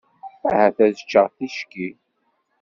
Ahat ad ččeɣ ticki.